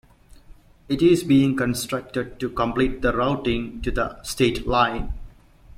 It is being constructed to complete the routing to the state line.